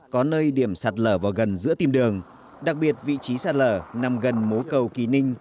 có nơi điểm sạt lở vào gần giữa tìm đường đặc biệt vị trí sạt lở nằm gần mố cầu kỳ ninh